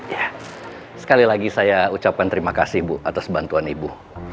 ya sekali lagi saya ucapkan terima kasih bu atas bantuan ibu